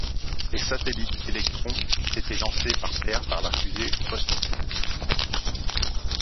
Les satellites Elektron ont été lancés par paires par la fusée Vostok.